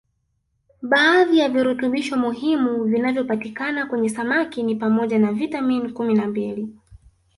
Baadhi ya virutubisho muhimu vinavyopatikana kwenye samaki ni pamoja na vitamin kumi na mbili